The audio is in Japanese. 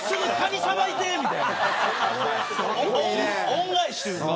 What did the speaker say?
恩返しというか。